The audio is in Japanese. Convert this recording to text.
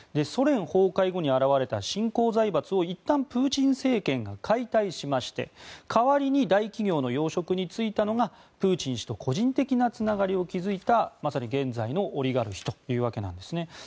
ソ連崩壊後に現れた新興財閥をいったんプーチン政権が解体しまして代わりに大企業の要職に就いたのがプーチン氏と個人的なつながりを築いたまさに現在のオリガルヒというわけなんですね。